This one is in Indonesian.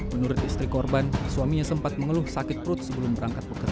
menurut istri korban suaminya sempat mengeluh sakit perut sebelum berangkat bekerja